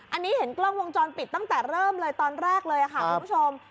อันนี้เห็นกล้องวงจรปิดตั้งแต่เริ่มเลยตอนแรกเลยค่ะคุณผู้ชม